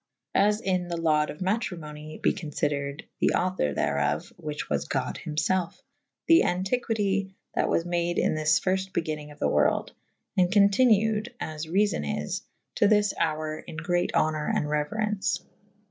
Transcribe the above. As in the laude of matrymony be confydered the [C viii a] auctour thereof/ whiche was god hym felfe / the antiquite that it was made in the fyrft begynnvnge of the world /& co«tinued (as reafow is) to this hour in great honour and reuere«ce.